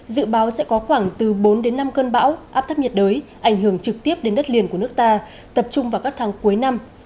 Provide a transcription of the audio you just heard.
dự báo sẽ có khoảng từ bốn đến năm cơn bão áp thấp nhiệt đới ảnh hưởng trực tiếp đến đất liền của nước ta tập trung vào các tháng cuối năm